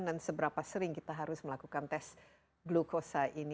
dan seberapa sering kita harus melakukan tes glukosa ini